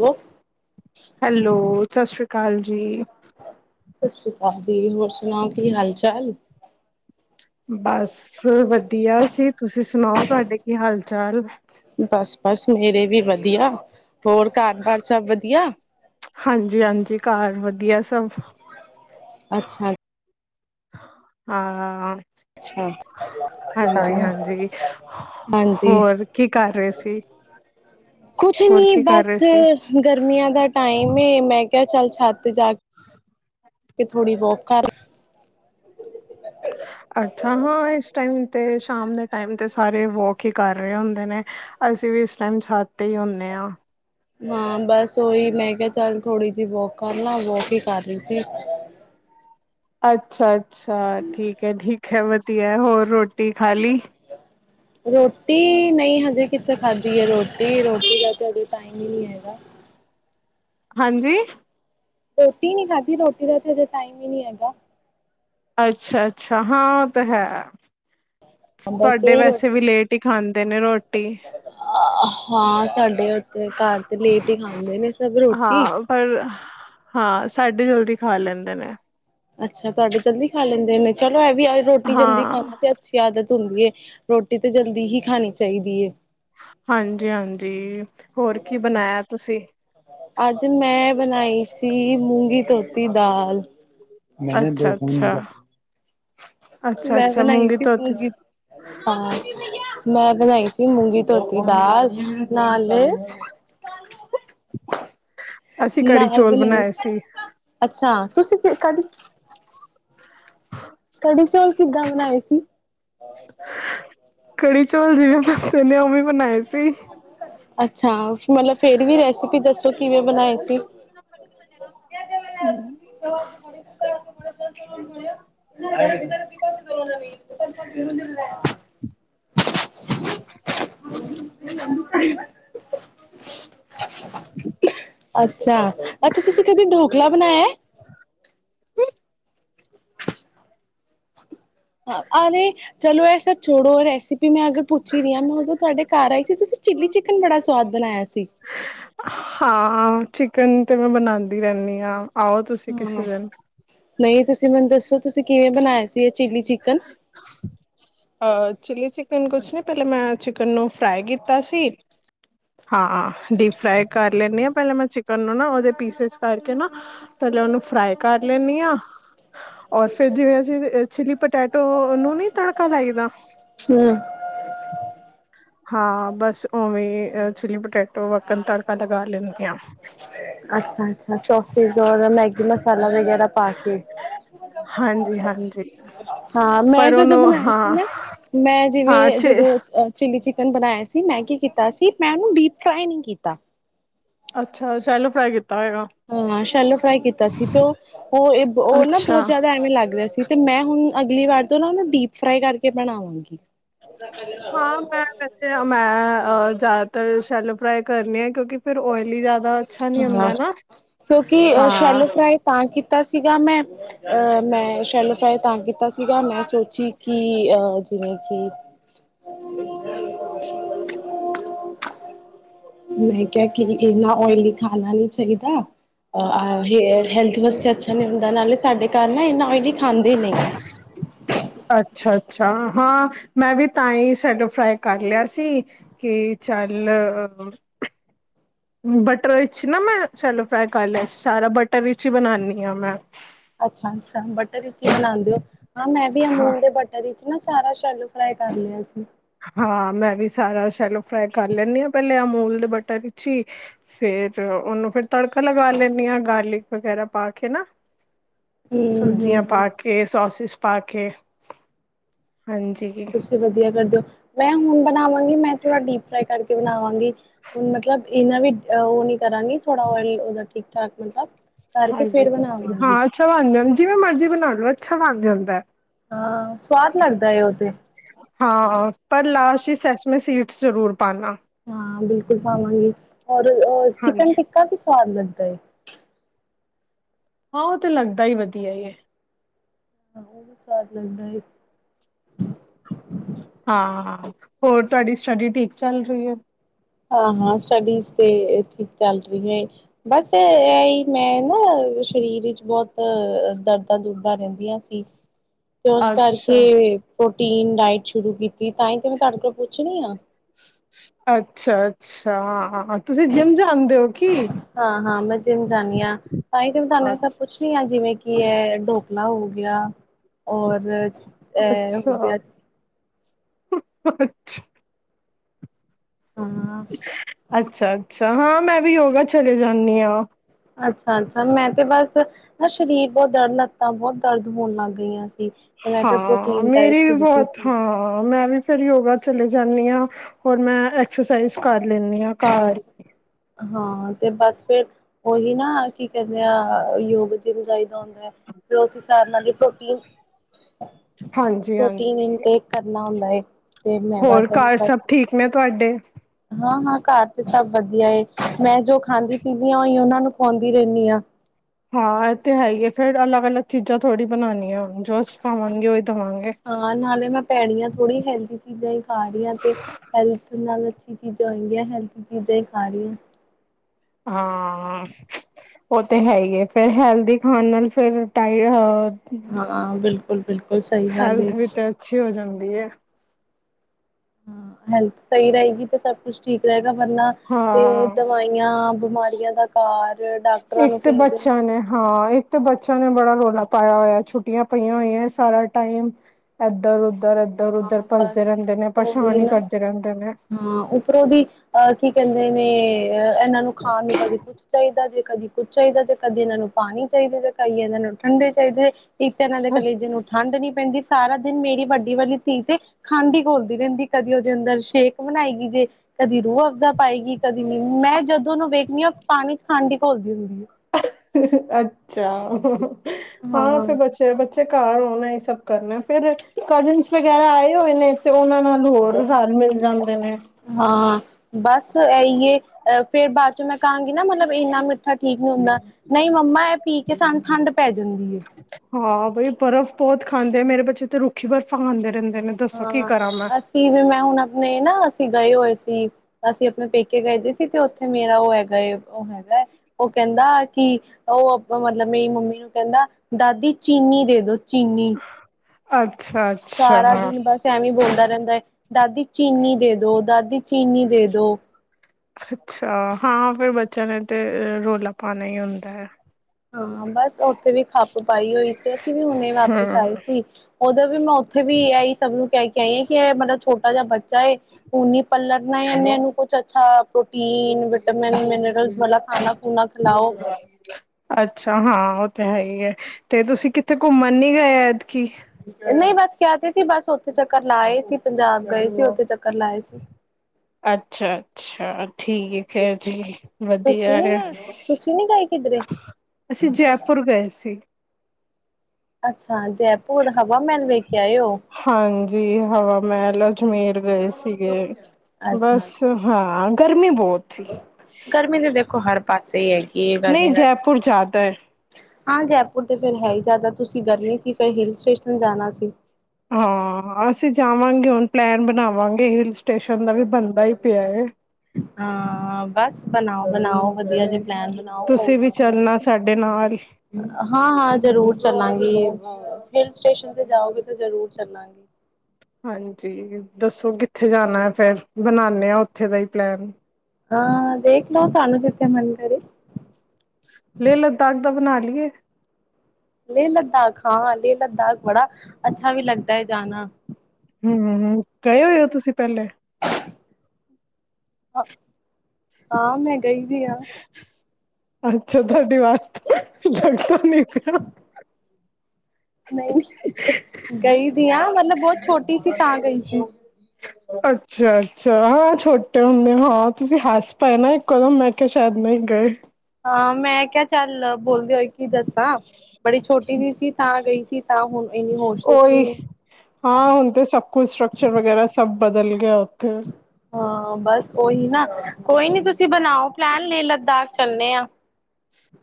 ਹੈ ਹੈਲੋ ਸਤਿ ਸ਼੍ਰੀ ਅਕਾਲ ਜੀ ਸਤਿ ਸ਼੍ਰੀ ਅਕਾਲ ਜੀ ਹੋਰ ਸੁਣਾਓ ਕੀ ਹਾਲ ਚਾਲ ਬਸ ਵਧੀਆ ਅਸੀ, ਤੁਸੀਂ ਸੁਣਾਓ ਤੁਹਾਡੇ ਕੀ ਹਾਲ ਚਾਲ ਬਸ ਬਸ ਮੇਰੇ ਵੀ ਵਧੀਆ ਹੋਰ ਘਰ ਬਾਹਰ ਸਭ ਵਧੀਆ ਹਾਂਜੀ ਹਾਂਜੀ ਘਰ ਵਧੀਆ ਸਭ ਅੱਛਾ ਹਾਂ ਅੱਛਾ ਹਾਂਜੀ ਹਾਂਜੀ ਹਾਂਜੀ ਹੋਰ ਕੀ ਕਰ ਰਹੇ ਸੀ ਕੁਛ ਹੋਰ ਨੀ ਕੀ ਕਰ ਬਸ ਰਹੇ ਸੀ ਗਰਮੀਆਂ ਦਾ ਟਾਈਮ ਏ, ਮੈਂ ਕਿਹਾ ਚੱਲ ਛਾਤ ਤੇ ਜਾ ਕੇ, ਕੇ ਥੋੜ੍ਹੀ ਵੋਕ ਕਰ [unintelligible] ਅੱਛਾ, ਹਾਂ ਇਸ ਟਾਈਮ ਤੇ ਸ਼ਾਮ ਦੇ ਟਾਈਮ ਤੇ ਸਾਰੇ ਵੋਕ ਹੀ ਕਰ ਰਹੇ ਹੁੰਦੇ ਨੇ ਅਸੀਂ ਵੀ ਇਸ ਟਾਈਮ ਛੱਤ ਤੇ ਹੀ ਹੁੰਨੇ ਆਂ ਹਾਂ ਬਸ ਉਹੀ ਮੈਂ ਕਿਹਾ ਚੱਲ ਥੋੜ੍ਹੀ ਜਿਹੀ ਵੋਕ ਕਰ ਲਾਂ, ਵੋਕ ਹੀ ਕਰ ਰਹੀ ਸੀ ਅੱਛਾ ਅੱਛਾ ਠੀਕ ਹੈ ਠੀਕ ਹੈ ਵਧੀਆ ਹੋਰ ਰੋਟੀ ਖਾ ਲਈ ਅ [unintelligible] ਰੋਟੀ ਨਹੀਂ ਹਜੇ ਕਿਥੇ ਖਾਧੀ ਹੈ ਰੋਟੀ, ਰੋਟੀ ਦਾ ਤੇ ਅਜੇ ਟਾਈਮ ਹੀ ਨਹੀਂ ਹੈਗਾ ਹਾਂਜੀ ਰੋਟੀ ਨੀ ਖਾਧੀ, ਰੋਟੀ ਦਾ ਅਜੇ ਟਾਈਮ ਹੀ ਨਹੀਂ ਹੈਗਾ ਅੱਛਾ ਅੱਛਾ ਹਾਂ ਉਹ ਤੇ ਹੈ ਬਸ ਤੁਹਾਡੇ ਉਹੀ ਵੈਸੇ ਰੋਟੀ ਵੀ ਲੇਟ ਹੀ ਖਾਂਦੇ ਨੇ ਰੋਟੀ ਹਾਂ ਸਾਡੇ ਉੱਥੇ ਘਰ ਤੇ ਲੇਟ ਹੀ ਖਾਂਦੇ ਨੇ ਸਭ ਰੋਟੀ ਹਾਂ ਪਰ ਹਾਂ, ਸਾਡੇ ਜਲਦੀ ਖਾ ਲੈਂਦੇ ਨੇ ਅੱਛਾ ਤੁਹਾਡੇ ਜਲਦੀ ਖਾ ਲੈਂਦੇ ਨੇ ਚਲੋ ਇਹ ਵੀ ਰੋਟੀ ਜਲਦੀ ਹਾਂ ਖਾਣਾ ਤੇ ਅੱਛੀ ਆਦਤ ਹੁੰਦੀ ਹੈ, ਰੋਟੀ ਤੇ ਜਲਦੀ ਹੀ ਖਾਣੀ ਚਾਹੀਦੀ ਹੈ ਹਾਂਜੀ ਹਾਂਜੀ ਹੋਰ ਕੀ ਬਣਾਇਆ ਤੁਸੀਂ ਆਜ ਮੈਂ ਬਣਾਈ ਸੀ ਮੂੰਗੀ ਧੋਤੀ ਦਾਲ ਅੱਛਾ ਅੱਛਾ ਅੱਛਾ ਮੈਂ ਅੱਛਾ ਬਣਾਈ ਮੂੰਗੀ ਸੀ ਧੋਤੀ ਮੂੰਗੀ ਹਾਂ ਮੈਂ ਬਣਾਈ ਸੀ ਮੂੰਗੀ ਧੋਤੀ ਦਾਲ ਨਾਲ ਅਸੀਂ ਕੜੀ ਨਾਲ ਚੌਲ ਬਣਾਈ, ਬਣਾਏ ਸੀ ਅੱਛਾ ਤੁਸੀਂ ਫਿਰ ਕਾਦੀ ਕੜੀ ਚੌਲ ਕਿੱਦਾਂ ਬਣਾਏ ਸੀ ਕੜੀ ਚੌਲ ਜਿਵੇਂ ਬਣਦੇ ਨੇ, ਉਵੇਂ ਬਣਾਏ ਸੀ ਅੱਛਾ ਮਤਲਬ ਫਿਰ ਵੀ ਰੈਸਪੀ ਦੱਸੋ ਕਿਵੇਂ ਬਣਾਏ ਸੀ ਹਮ [unintelligible] ਬਹੁ ਬੜ ਬ [inaudible] ਪ [inaudible] [unintelligible] ਅੱਛਾ ਅੱਛਾ ਤੁਸੀਂ ਕਦੇ ਢੋਕਲਾ ਬਣਾਇਆ ਹਾਂ ਅਰੇ ਚਲੋ ਇਹ ਸਭ ਛੋੜੋ ਰੈਸਪੀ ਮੈਂ ਅਗਰ ਪੁੱਛ ਰਹੀ ਹਾਂ, ਮੈਂ ਉਦੋਂ ਤੁਹਾਡੇ ਘਰ ਆਈ ਸੀ ਤੁਸੀਂ ਚਿੱਲੀ ਚਿੱਕਨ ਬੜਾ ਸਵਾਦ ਬਣਾਇਆ ਸੀ। ਹਾਂ ਚਿੱਕਨ ਤੇ ਮੈਂ ਬਣਾਂਦੀ ਰੈਂਦੀ ਆਂ ਆਉ। ਹਾਂ ਨਈ ਤੁਸੀਂ ਮੈਨੂੰ ਦੱਸੋ ਤੁਸੀਂ ਕਿਵੇਂ ਬਣਾਏ ਸੀ ਇਹ ਚਿੱਲੀ ਚਿੱਕਨ ਅਹ ਚਿੱਲੀ ਚਿੱਕਨ ਕੁੱਛ ਨਈ ਪੈਲਾਂ ਮੈਂ ਚਿੱਕਨ ਨੂੰ ਫਰਾਈ ਕੀਤਾ ਸੀ। ਹਾਂ ਡੀਪ ਫਰਾਈ ਕਰ ਲੈਂਣੀ ਆਂ ਪੈਲਾਂ ਮੈਂ ਚਿੱਕਨ ਨੂੰ ਨਾ ਉਹਦੇ ਪੀਸੀਸ ਕਰਕੇ ਨਾ। ਪੈਲਾਂ ਉਹਨੂੰ ਫਰਾਈ ਕਰ ਲੈਂਣੀ ਆਂ। ਔਰ ਫਿਰ ਜਿਵੇਂ ਅਸੀਂ ਚਿੱਲੀ ਪਟੈਟੋ ਨੂੰ ਨਈ ਤੜਕ [inaudible] ਹੂੰ ਹਾਂ ਬਸ ਉਵੇਂ ਚਿੱਲੀ ਪਟੈਟੋ ਵੱਕਣ ਤੜਕਾ ਲਗਾ ਲੈਂਣੀ ਆਂ। ਅੱਛਾ-ਅੱਛਾ ਸੋਸਿਸ ਔਰ ਮੈਗੀ ਮਸਾਲਾ ਵਗੈਰਾ ਪਾ ਕੇ ਹਾਂਜੀ ਹਾਂਜੀ ਹਾਂ ਮੈਂ ਪਰ ਜਦੋਂ ਉਹਨੂੰ ਬਣਾਏ ਸੀ ਹਾਂ ਨਾ ਮੈਂ ਹਾਂ ਜਿਵੇਂ ਚ ਜਦੋਂ ਅ ਚਿੱਲੀ ਚਿੱਕਨ ਬਣਾਇਆ ਸੀ ਮੈਂ ਕੀ ਕੀਤਾ ਸੀ ਮੈਂ ਉਹਨੂੰ ਡੀਪ ਫਰਾਈ ਨਈ ਕੀਤਾ। ਹਾ ਸ਼ੈਲੋ ਫਰਾਈ ਕੀਤਾ। ਹੋਏਗਾ ਹਾਂ ਸ਼ੈਲੋ ਫਰਾਈ ਕੀਤਾ ਸੀ ਤੇ ਓ- ਓ ਨਾ ਬੋਤ ਅੱਛਾ ਜਾਦਾ ਐਵੇਂ ਲੱਗ ਰਿਆ ਸੀ। ਤੇ ਮੈਂ ਹੁਣ ਅਗਲੀ ਵਾਰ ਤੋਂ ਨਾ ਉਹਨੂੰ ਡੀਪ ਫਰਾਈ ਕਰਕੇ ਬਣਾਵਾਂਗੀ। ਹਾਂ ਮੈਂ ਵੈਸੇ ਮੈਂ ਆ ਜਾਦਾਤਰ ਸ਼ੈਲੋ ਫਰਾਈ ਕਰਨੀ ਆ ਕਿਉਂਕਿ ਫਿਰ ਔਇਲੀ ਹੀ ਜਾਦਾ ਅੱਛਾ ਨਈ ਹਾਂ। ਹੁੰਦਾ ਨਾ ਕਿਉਂਕਿ ਹਾਂ। ਸ਼ੈਲੋ ਫਰਾਈ ਤਾਂ ਕੀਤਾ ਸੀਗਾ ਮੈਂ ਅਹ ਮੈਂ ਸ਼ੈਲੋ ਫਰਾਈ ਤਾਂ ਕੀਤ ਕੀਤਾ ਸੀਗਾ ਮੈਂ ਸੋਚੀ ਕਿ ਅਹ ਜਿਵੇਂ ਕੀ [inaudible] ਮੈਂ ਕਿਆ ਕਿ ਇੰਨਾ ਓਇਲੀ ਖਾਣਾ ਨਈ ਚਾਹੀਦਾ ਅ ਹੇਅਰ। ਹੈਲਥ ਵਾਸਤੇ ਅੱਛਾ ਨਈ ਹੁੰਦਾ ਨਾਲੇ ਸਾਡੇ ਘਰ ਨਾ ਇੰਨਾ ਉਇਲੀ ਖਾਂਦੇ ਨਈ ਅੱਛਾ-ਅੱਛਾ ਹਾਂ ਮੈਂ ਵੀ ਤਾਂ ਹੀ ਸੈਲੋ ਫਰਾਈ ਕਰ ਲਿਆ ਸੀ। ਕਿ ਚੱਲ ਬਟਰ ਚ' ਈ ਨਾ ਮੈਂ ਸੈਲੋ ਫਰਾਈ ਕਰ ਲੈ ਸੀ ਸਾਰਾ ਬਟਰ 'ਚ ਹੀ ਬਣਾਣੀ ਆਂ ਮੈਂ ਅੱਛਾ-ਅੱਛਾ ਬਟਰ 'ਚ ਬਣਾਂਦੇ ਓ ਹਾਂ ਮੈਂ ਵੀ ਹਾਂ ਅਮੂਲ ਦੇ ਬ ਰ'ਚ ਨਾ ਸਾਰਾ ਸੈਲੂ ਫਰਾਈ ਕਰ ਲਿਆ ਸੀ। ਹਾਂ ਮੈਂ ਵੀ ਸਾਰਾ ਸ਼ੈਲੋ ਫਰਾਈ ਕਰ ਲੈਣੀ ਹਾਂ ਪੈਲੇ ਅਮੂਲ ਦੇ ਬਟਰ 'ਚ ਈ। ਫਿਰ ਉਹਨੂੰ ਫਿਰ ਤੜਕਾ ਲਗਾ ਲੈਂਣੀ ਆਂ ਗਾਰਲਿਕ ਵਗੈਰਾ ਪਾ ਕੇ ਨਾ। ਸਬਜ਼ੀਆਂ ਹੂੰ-ਹੂੰ-ਹੂੰ ਪਾ ਕੇ ਸੋਸਿਸ ਪਾ ਕੇ ਹਾਂਜੀ। ਤੁਸੀਂ ਵਧੀਆ ਕਰ ਦਿਓ ਮੈਂ ਹੁਣ ਬਣਾਵਾਂਗੀ ਮੈਂ ਥੋੜਾ ਡੀਪ ਫਰਾਈ ਕਰਕੇ ਬਣਾਵਾਂਗੀ। ਹੁਣ ਮਤਲਬ ਇਹਨਾ ਵੀ ਓ ਨੀ ਕਰਾਂਗੀ ਥੋੜਾ ਆਇਲ ਠੀਕ ਠਾਕ ਮਤਲਬ ਕਰਕੇ ਹਾਂਜੀ ਫੇਰ ਹਾਂਜੀ ਹਾਂ ਬਣਾਵਾਂਗੀ। ਅੱਛਾ ਬਣ ਜਾਂ ਜਿਵੇਂ ਮਰਜ਼ੀ ਬਣਾ ਲਓ ਅੱਛਾ ਬਣ ਜਾਂਦਾ ਏ। ਹਾਂ ਸਵਾਦ ਲੱਗਦਾ ਹੈ ਓ ਤੇ ਹਾਂ ਪਰ ਲਾਸਟ ਹੀ ਸਸ ਮੈਂ ਸੀਟਸ ਜ਼ਰੂਰ ਪਾਣਾ। ਹਾਂ ਬਿਲਕੁਲ ਪਾਵਾਂਗੀ ਔਰ ਚਿਕਨ ਹਾਂਜੀ ਟਿੱਕਾ ਕੀ ਸਵਾਦ ਲੱਗਦਾ ਏ। ਹਾਂ ਓ ਤੇ ਲੱਗਦਾ ਈ ਵਧੀਆ ਏ। ਹ ਓ ਵੀ ਸਵਾਦ ਲੱਗਦਾ ਏ। ਹਾਂ ਹੋਰ ਤੁਹਾਡੀ ਸਟੱਡੀ ਠੀਕ ਚੱਲ ਰਈ ਏ। ਹਾਂ-ਹਾਂ ਸਟੱਡੀਜ਼ ਤੇ ਠੀਕ ਚੱਲ ਰਈ ਏ। ਬਸ ਇਹ ਹੀ ਮੈਂ ਨਾ ਸਰੀਰ 'ਚ ਬੋਤ ਦਰਦਾਂ ਦੁਰਦਾਂ ਰੈਂਦੀਆਂ ਸੀ ਤੇ ਉਸ ਅੱਛਾ ਕਰਕੇ ਪ੍ਰੋਟੀਨ ਡਾਇਟ ਸ਼ੁਰੂ ਕੀਤੀ ਤਾਂ ਈ ਤੇ ਮੈਂ ਤੁਹਾਡੇ ਕੋਲ ਪੁੱਛ ਰੀ ਆ। ਅੱਛਾ-ਅੱਛਾ ਹਾਂ। ਤੁਸੀਂ ਜਿੰਮ ਜਾਂਦੇ ਹੋ ਕੀ ਹਾਂ-ਹਾਂ ਮੈਂ ਜਿਮ ਜਾਨੀ ਆਂ ਤਾਂ ਈ ਤੇ ਮੈਂ ਤੁਹਾਨੂੰ ਐ ਸਭ ਅੱਛਾ ਪੁੱਛ ਰੀ ਆਂ ਜਿਵੇਂ ਕਿ ਐ ਢੋਕਲਾ ਹੋ ਗਿਆ ਔਰ ਇਹ ਹੋ ਅੱਛਾ, ਗਿਆ ਅਛ ਹਾਂ। ਅੱਛਾ-ਅੱਛਾ, ਹਾਂ ਮੈਂ ਵੀ ਯੋਗਾ ਚਲੇ ਜਾਂਨੀ ਆਂ। ਅੱਛਾ-ਅੱਛਾ ਮੈਂ ਤੇ ਬਸ ਨਾ ਸਰੀਰ ਬੋਤ ਦਰਦ ਲੱਤਾਂ ਬੋਤ ਦਰਦ ਹੋਨ ਲੱਗ ਗਈਆਂ ਸੀ। ਮੈਂ ਫਿਰ ਹਾਂ ਪ੍ਰੋਟੀਨ ਡਾਇਟ ਮੇਰੀ ਵੀ ਸ਼ੁਰੂ ਬੋਤ ਕੀਤੀ। ਹਾਂ। ਹਾਂ ਮੈਂ ਵੀ ਫੇਰ ਯੋਗਾ ਚਲੇ ਜਾਂਨੀ ਆਂ ਹੋਰ ਮੈਂ ਐਕਸਰਸਾਈਜ਼ ਕਰ ਲੈਂਨੀ ਆਂ ਘਰ। ਹਾਂ ਤੇ ਬਸ ਫੇਰ ਓਹੀ ਨਾ ਕੀ ਕਹਿੰਦੇ ਆ ਯੋਗ ਜਿੰਮ ਜਾਈਦਾ ਹੁੰਦਾ ਐ। ਤੇ ਓਸ ਹਿਸਾਬ ਨਾਲ ਈ ਪ੍ਰੋਟੀਨ ਹਾਂਜੀ ਪ੍ਰੋਟੀਨ ਹਾਂਜੀ ਇਨਟੇਕ ਕਰਨਾ ਹੁੰਦਾ ਏ। ਹੋਰ ਘਰ ਸਭ ਠੀਕ ਨੇ ਤੁਹਾਡੇ? ਹਾਂ ਹਾਂ ਘਰ ਤੇ ਸਭ ਵਧੀਆ ਏ, ਮੈਂ ਜੋ ਖਾਂਦੀ ਪੀਂਦੀ ਆ ਓਈ ਓਨਾਂ ਨੂੰ ਖ਼ਵਾਉਂਦੀ ਰਹਿੰਦੀ ਆਂ। ਹਾਂ ਇਹ ਤੇ ਹੈ ਈ ਏ ਫੇਰ ਅਲੱਗ-ਅਲੱਗ ਚੀਜ਼ਾਂ ਥੋੜ੍ਹੀ ਬਨਾਨੀ ਏ ਹੁਨ ਜੋ ਅਸੀਂ ਖਾਵਾਂਗੇ ਓਈ ਦਵਾਂਗੇ। ਹਾਂ ਨਾਲੇ ਮੈਂ ਭੈੜੀਆਂ ਥੋੜ੍ਹੀ ਹੈਲਦੀ ਚੀਜ਼ਾਂ ਈ ਖਾ ਰੀ ਆਂ ਤੇ ਹੈਲਥ ਨਾਲ ਅੱਛੀ ਚੀਜ਼ਾਂ ਹੋਗੀਆਂ ਹੈਲਥ ਚੀਜ਼ਾਂ ਈ ਖਾ ਰੀ ਆਂ। ਹਾਂ। ਓ ਤੇ ਹੈ ਈ ਏ ਫੇਰ ਹੈਲਦੀ ਖਾਨ ਨਾਲ ਫਿਰ [unintelligible] ਹਾਂ। ਹਾਂ ਬਿਲ ਬਿਲਕੁਲ ਸਈ। ਹੈਲਥ ਵੀ ਤੇ ਅੱਛੀ ਹੋ ਜਾਂਦੀ ਏ। ਹਾਂ ਹੈਲਥ ਸਈ ਰਹੇਗੀ ਤੇ ਸਭ ਕੁਛ ਠੀਕ ਰਹੇਗਾ ਵਰਨਾ ਤੇ ਹਾਂ ਦਵਾਈ ਯਾਂ ਬਿਮਾਰੀਆਂ ਦਾ ਕਾਰ ਡਾਕਟਰਾਂ ਏਕ ਨੂੰ ਤੇ ਫੀਸ ਦੇਣੀ। ਬੱਚੇਆਂ ਨੇ ਹਾਂ ਏਕ ਤੇ ਬੱਚੇਆਂ ਨੇ ਬੜਾ ਰੌਲਾ ਪਾਇਆ ਹੋਇਆ ਛੁੱਟੀਆਂ ਪਈਆਂ ਹੋਈਆਂ ਸਾਰਾ ਟਾਈਮ- ਏਧਰ ਉਧਰ, ਏਧਰ ਉਧਰ ਹਾਂ ਭਜਦੇ ਬਸ ਰਹਿੰਦੇ ਨੇ ਪਰੇਸ਼ਾਨ ਉਹੀ ਈ ਨਾ ਕਰਦੇ ਰਹਿੰਦੇ ਨੇ। ਹਾਂ ਉੱਪਰੋਂ ਦੀ ਅਹ ਕੀ ਕਹਿੰਦੇ ਨੇ? ਅ ਏਨਾਂ ਨੂੰ ਖਾਨ ਨੂੰ ਕਦੀ ਕੁੱਛ ਚਾਹੀਦਾ ਜੇ ਕਦੀ ਕੁਛ ਚਾਹੀਦਾ ਤੇ ਕਦੀ ਏਨਾਂ ਨੂੰ ਪਾਨੀ ਚਾਈਦਾ ਤੇ ਕਈ ਏਨਾਂ ਨੂੰ ਠੰਡੇ ਚਾਈਦੇ ਇੱਕ ਏਨਾਂ ਦੇ ਕਲੇਜੇ ਨੂੰ ਠੰਢ ਨੀ ਪੈਂਦੀ ਸਾਰਾ ਦਿਨ ਮੇਰੀ ਵੱਡੀ ਵਾਲੀ ਧੀ ਤੇ ਖੰਡ ਹੀ ਘੋਲਦੀ ਰਹਿੰਦੀ ਕਦੀ ਓਦੇ ਅੰਦਰ ਸ਼ੇਕ ਬਨਾਏਗੀ ਜੇ। ਕਦੀ ਰੂਹਅਫਜਾ ਪਾਏਗੀ, ਕਦੀ ਨੀਂਬੂ ਮੈਂ ਜਦੋਂ ਓਨੂੰ ਵੇਖਣੀ ਆ ਪਾਨੀ 'ਚ ਖੰਡ ਹੀ ਘੋਲਦੀ ਹੁੰਦੀ ਏ। ਅੱਛਾ, ਹਾਂ ਫੇਰ ਬਚ ਫੇਰ ਬੱਚੇ ਘਰ ਹੋਨ ਏਈ ਸਭ ਕਰਨਾ ਫੇਰ ਕਜਨਸ ਵਗੈਰਾ ਆਏ ਹੋਏ ਨੇ ਤੇ ਓਨਾਂ ਨਾਲ ਹੋਰ ਰਲ ਮਿਲ ਜਾਂਦੇ ਨੇ। ਹਾਂ। ਬਸ ਐਈ ਏ, ਅਹ ਫੇਰ ਬਾਦ ਚੋਂ ਮੈਂ ਕਹਾਂਗੀ ਨਾ ਮਤਲਬ ਇੰਨਾ ਮਿੱਠਾ ਠੀਕ ਨੀ ਹੁੰਦਾ। ਨਈ ਮੰਮਾ ਐ ਪੀ ਕੇ ਸਾਨੂੰ ਠੰਢ ਪੈ ਜਾਂਦੀ ਏ। ਹਾਂ ਬਈ ਬਰਫ਼ ਬੋਤ ਖਾਂਦੇ, ਮੇਰੇ ਬੱਚੇ ਤੇ ਰੁੱਖੀ ਬਰਫ਼ਾਂ ਖਾਂਦੇ ਰਹਿੰਦੇ ਨੇ। ਦੱਸੋ ਕੀ ਹਾਂ ਕਰਾਂ ਮੈਂ ਅਸੀਂ ਵੀ ਮੈਂ ਹੁਨ ਅਪਨੇ ਨਾ ਅਸੀਂ ਗਏ ਹੋਏ ਸੀ ਅਸੀਂ ਅਪਨੇ ਪੇਕੇ ਕੇ ਗਏ ਦੇ ਸੀ ਤੇ ਓਥੇ ਮੇਰਾ ਓ ਹੈਗਾ, ਓ ਹੈਗਾ ਓ ਕਹਿੰਦਾ ਕਿ ਓ ਮਤਲਬ ਮੇਰੀ ਮੰਮੀ ਨੂੰ ਕਹਿੰਦਾ ਦਾਦੀ ਚੀਨੀ ਦੇ ਦੋ ਚੀਨੀ। ਅੱਛਾ ਅੱਛ। ਸਾਰਾ ਦਿਨ ਬਸ ਐਵੇਂ ਈ ਬੋਲਦਾ ਰਹਿੰਦਾ ਹੈ, ਦਾਦੀ ਚੀਨੀ ਦੇ ਦੋ ਦਾਦੀ ਚੀਨੀ ਦੇ ਦੋ। 'ਅੱਛਾ ਹਾਂ ਫਿਰ ਬੱਚਿਆਂ ਨੇ ਤੇ ਰੌਲਾ ਪਾਉਣਾ ਹੀ ਹੁੰਦਾ ਹੈ ਹਾਂ ਬਸ ਉੱਥੇ ਵੀ ਖੱਪ ਪਾਈ ਹੋਈ ਸੀ ਅਸੀਂ ਵੀ ਹੁਣੇ ਵਾਪਿਸ ਹਮ ਆਏ ਸੀ। ਉਦੋਂ ਵੀ ਮੈਂ ਉੱਥੇ ਵੀ ਇਹੀ ਸਭ ਨੂੰ ਕਹਿ ਕੇ ਆਈ ਆ ਕਿ ਇਹ ਮਤੜਬ ਛੋਟਾ ਜਿਹਾ ਬੱਚਾ ਏ। ਹੁਣ ਈ ਪਲੜਨਾ ਐਨੇ, ਐਨੂੰ ਕੁਛ ਅੱਛਾ ਪ੍ਰੋਟੀਨ, ਵਿਟਾਮਿਨ ਮਿਨਰਲ ਵਾਲਾ ਖਾਣਾ ਖੁਣਾ ਖਿਲਾਓ। ਅੱਛਾ ਹਾਂ ਉਹ ਤਾਂ ਹੈ ਹੀ ਹੈ, ਤੇ ਤੁਸੀਂ ਕਿੱਥੇ ਘੁੰਮਣ ਨੀ ਗਏ ਐਦਕੀ? ਨਹੀਂ ਬਸ ਕੇਹਾ ਤੇ ਸੀ, ਬਸ ਉੱਥੇ ਚੱਕਰ ਲਾਏ ਸੀ ਪੰਜਾਬ ਗਏ ਸੀ ਉੱਥੇ ਚੱਕਰ ਲਾਏ ਸੀ। ਅੱਛਾ ਅੱਛਾ। ਠੀਕ ਹੈ ਜੀ ਵਧੀਆ ਤੁਸੀਂ ਨੀ ਹੈ। ਗਏ ਤੁਸੀਂ ਨੀ ਗਏ ਕਿਧਰੇ ਅਸੀਂ ਜੈਪੁਰ ਗਏ ਸੀ। ਅੱਛਾ ਜੈਪੁਰ ਹਵਾ ਮਹਿਲ ਵੇਖ ਕੇ ਆਏ ਓ। ਹਾਂਜੀ ਹਵਾ ਮਹਿਲ ਅਜਮੇਰ ਗਏ ਸੀਗੇ। ਅੱਛਾ ਬਸ ਅੱਛਾ ਹਾਂ ਗਰਮੀ ਬਹੁਤ ਸੀ। ਗਰਮੀ ਤਾਂ ਦੇਖੋ' ਹਰ ਪਾਸੇ ਹੀ ਹੈਗੀ ਨਹੀਂ ਗਰਮੀ ਦਾ ਜੈਪੁਰ ਜ਼ਿਆਦਾ ਹੈ ਹਾਂ ਜੈਪੁਰ ਤੇ ਫਿਰ ਹੈ ਹੀ ਜ਼ਿਆਦਾ, ਤੁਸੀਂ ਗਰਮੀ ਸੀ ਫਿਰ ਹਿਲ ਸਟੇਸ਼ਨ ਜਾਣਾ ਸੀ। ਹਾਂ ਅਸੀਂ ਜਾਵਾਂਗੇ ਹੁਣ ਪਲੈਨ ਬਣਾਵਾਂਗੇ ਹਿਲ ਸਟੇਸ਼ਨ ਦਾ ਵੀ ਬਣ ਦਾ ਹੀ ਪਿਆ ਹੈ। ਹਾਂ ਬਸ ਬਣਾਓ ਬਣਾਓ ਵਧੀਆ ਜ ਤੁਸੀਂ ਵੀ ਚੱਲਣਾ ਸਾਡੇ ਨਾਲ ਹਾਂ ਹਾਂ ਜ਼ਰੂਰ ਚੱਲਾਂਗੀ ਹਿਲ ਸਟੇਸ਼ਨ ਤੇ ਜਾਓਗੇ ਤਾਂ ਜ਼ਰੂਰ ਚੱਲਾਂਗੀ। ਹਾਂਜੀ ਦੱਸੋ ਕਿੱਥੇ ਜਾਣਾ ਏ ਫਿਰ, ਬਨਾਉਂਦੇ ਹਾਂ ਉੱਥੇ ਦਾ ਹੀ ਪਲੈਨ। ਹਾਂ ਦੇਖ ਲੋਂ ਤੁਹਾਨੂੰ ਜਿੱਥੇ ਮਨ ਕਰੇ। ਲੇਹ ਲਦਾਖ ਦਾ ਬਣਾ ਲਈ ਏ। ਲੇਹ ਲਦਾਖ ਹਾਂ ਲੇਹ ਲਦਾਖ ਬੜਾ ਅੱਛਾ ਵੀ ਲੱਗਦਾ ਹੈ ਜਾਣਾ। ਹਮ ਗਏ ਹੋਏ ਹੋ ਤੁਸੀਂ ਪਹਿਲੇ। ਹਾਂ ਮੈਂ ਗਈ ਦੀ ਹਾਂ। ਅੱਛਾ ਤੁਹਾਡੀ ਆਵਾਜ਼ [inaudible] ਨਹੀਂ ਨਹੀਂ ਗਈ ਦੀ ਆ ਮਤਲਬ ਬਹੁਤ ਛੋਟੀ ਸੀ ਤਾਂ ਗਈ ਸੀ। ਅੱਛਾ ਅੱਛਾ ਹਾਂ ਛੋਟੇ ਹੁੰਦੇ, ਹਾਂ ਤੁਸੀਂ ਹੱਸ ਪਾਏ ਨਾ ਇੱਕੋ ਦਮ ਮੈਂ ਕਿਹਾ ਸ਼ਾਇਦ ਨਹੀਂ ਗਏ। ਹਾਂ, ਮੈਂ ਕਿਆ ਚੱਲ ਬੋਲਦੇ ਹੋਏ ਕੀ ਦੱਸਾਂ, ਬੜੀ ਛੋਟੀ ਜੀ ਸੀ ਤਾਂ ਗਈ ਸੀ। ਤਾਂ ਹੁਣ ਅਈਔ ਓਈ ਹਾਂ ਹੁਣ ਤੇ ਸਭ ਕੁਛ ਸਟ੍ਰਕਚਰ ਵਗੈਰਾ ਸਭ ਬਦਲ ਗਿਐ ਓਥੇ। ਹਾਂ, ਬਸ ਓਹੀ ਨਾ, ਕੋਈ ਨੀ ਤੁਸੀਂ ਬਣਾਓ ਪਲੈਨ ਲੇਹ ਲਦਾਖ ਚੱਲਣੇ ਆਂ।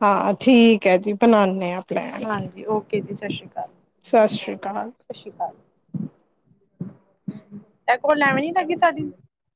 ਹਾਂ, ਠੀਕ ਹੈ ਜੀ ਬਣਾਣੇ ਆਂ। ਹਾਂਜੀ, ਓਕੇ ਜੀ ਸਤਿ ਸ਼੍ਰੀ ਅਕਾਲ। ਸਤਿ ਸ਼੍ਰੀ ਅਕਾਲ। ਸਤਿ ਸ਼੍ਰੀ ਅਕਾਲ, ਐ ਕੋਲ ਐਵੇ ਨੀ ਲੱਗੀ ਸਾਡੀ।